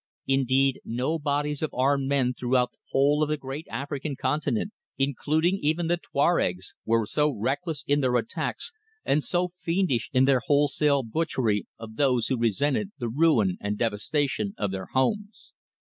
Indeed, no bodies of armed men throughout the whole of the great African continent, including even the Tuaregs, were so reckless in their attacks, or so fiendish in their wholesale butchery of those who resented the ruin and devastation of their homes.